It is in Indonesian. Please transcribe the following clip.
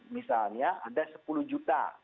misalnya ada sepuluh juta